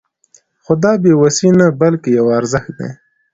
خو دا بې وسي نه بلکې يو ارزښت دی.